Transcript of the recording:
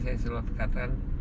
saya selalu dikatakan